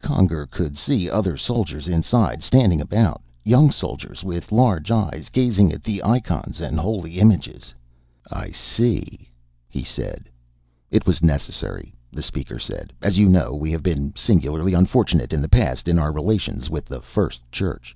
Conger could see other soldiers inside, standing about, young soldiers with large eyes, gazing at the ikons and holy images. "I see," he said. "It was necessary," the Speaker said. "As you know, we have been singularly unfortunate in the past in our relations with the First Church."